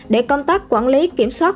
để công tác quản lý kiểm soát